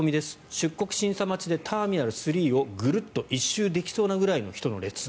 出国審査待ちでターミナル３をぐるっと一周できそうなくらいの人の列。